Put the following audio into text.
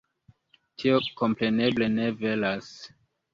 Tio kompreneble ne veras.